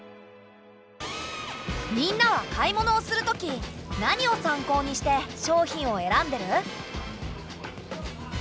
みんなは買い物をするとき何を参考にして商品を選んでる？